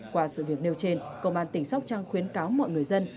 qua sự việc nêu trên công an tỉnh sóc trăng khuyến cáo mọi người dân